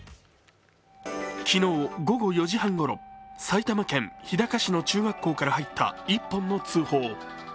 昨日、午後４時半ごろ、埼玉県日高市の中学校から入った一本の通報。